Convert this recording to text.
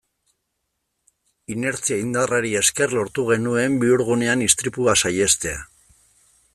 Inertzia indarrari esker lortu genuen bihurgunean istripua saihestea.